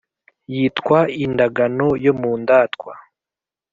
yitwa indagano yo mundatwa